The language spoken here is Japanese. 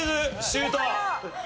シュート！